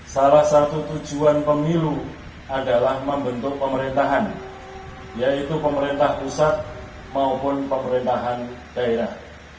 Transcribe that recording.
salah satu tujuan pemilu adalah membentuk pemerintahan yaitu pemerintah pusat maupun pemerintahan daerah